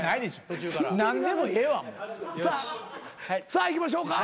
さあいきましょうか。